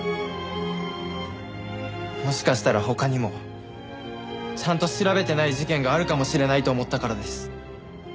もしかしたら他にもちゃんと調べてない事件があるかもしれないと思ったからです。